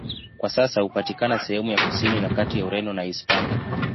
Kwa sasa hupatikana sehemu ya kusini na kati ya Ureno na Hispania.